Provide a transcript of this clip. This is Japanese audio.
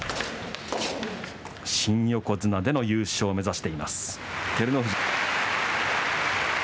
新横綱の優勝を目指しています照ノ富士。